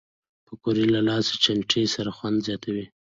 پکورې له لاسي چټني سره خوند زیاتوي